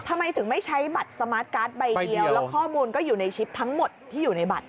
ทำไมถึงไม่ใช้บัตรสมาร์ทการ์ดใบเดียวแล้วข้อมูลก็อยู่ในชิปทั้งหมดที่อยู่ในบัตร